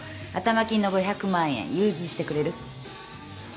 頭金の５００万円融通してくれる？